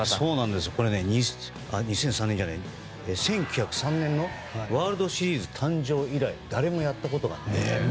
これは１９０３年のワールドシリーズ誕生以来誰もやったことがない。